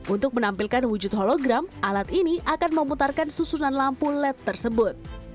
untuk menampilkan wujud hologram alat ini akan memutarkan susunan lampu led tersebut